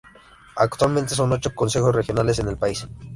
Actualmente son ocho Consejos Regionales en el país.